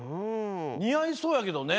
にあいそうやけどね。